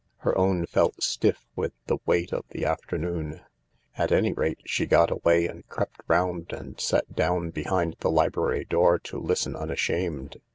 Her own felt stiff with the weight of the afternoon. At any rate, she got away and crept round and sat down behind the library door to listen unashamed.